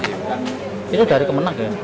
ini dari kemenang ya